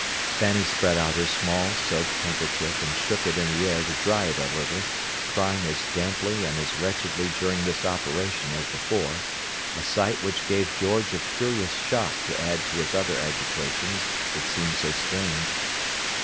Fanny spread out her small, soaked handkerchief, and shook it in the air to dry it a little, crying as damply and as wretchedly during this operation as before—a sight which gave George a curious shock to add to his other agitations, it seemed so strange.